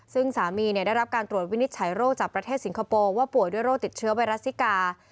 ซึ่งสามีได้รับการตรวจวินิจฉัยโรคจากประเทศสิงคโปร์ว่าป่วยด้วยโรคติดเชื้อไวรัสซิกา